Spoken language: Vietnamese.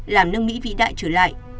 làm nước mỹ vĩ đại trở lại